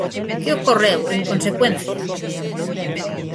¿Que ocorreu, en consecuencia?